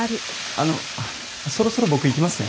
あのそろそろ僕行きますね。